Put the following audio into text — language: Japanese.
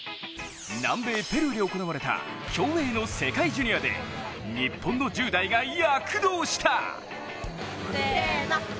南米ペルーで行われた競泳の世界ジュニアで日本の１０代が躍動した。